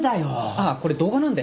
あっこれ動画なんで。